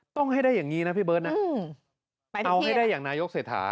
ต้องให้ได้อย่างนี้นะพี่เบิร์ตนะเอาให้ได้อย่างนายกเศรษฐา